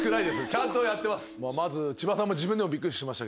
ちゃんとやってます。